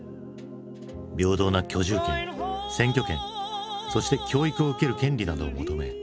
平等な居住権選挙権そして教育を受ける権利などを求め